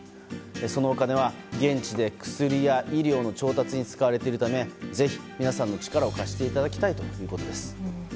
そのお金は現地で薬や医療の調達に使われているためぜひ皆さんの力を貸していただきたいということです。